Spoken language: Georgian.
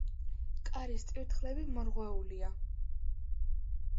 კარის წირთხლები მორღვეულია.